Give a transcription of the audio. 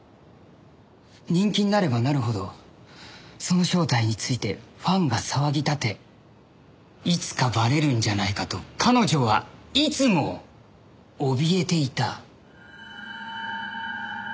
人気になればなるほどその正体についてファンが騒ぎ立ていつかバレるんじゃないかと彼女はいつもおびえていた。